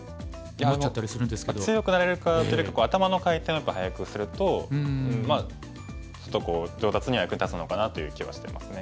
強くなれるかって結構頭の回転がやっぱ速くするとまあちょっと上達には役に立つのかなという気はしてますね。